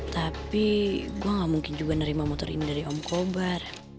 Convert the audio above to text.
tapi gue gak mungkin juga nerima motor ini dari om kobar